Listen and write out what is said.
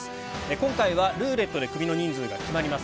今回はルーレットでクビの人数が決まります。